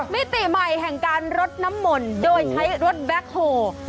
มิติใหม่แห่งการรดน้ำมนต์โดยใช้รถแบ็คโฮ